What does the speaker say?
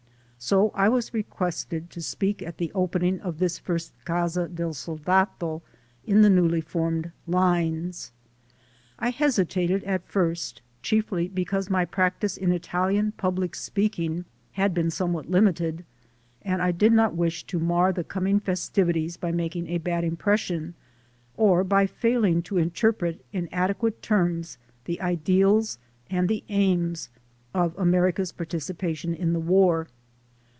So I was requested to speak at the opening of this first Casa del Soldato in the newly formed lines. I hesitated at first, chiefly because my practice in Italian public speaking had been somewhat limited, and I did not wish to mar the coming festivities by making a bad impression or by failing to interpret in adequate terms the ideals and the aims of America's participation in the war.